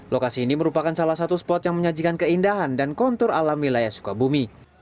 lokasi ini merupakan salah satu spot yang menyajikan keindahan dan kontur alam wilayah sukabumi